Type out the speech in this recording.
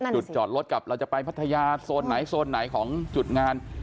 จอดรถกับเราจะไปพัทยาโซนไหนโซนไหนของจุดงาน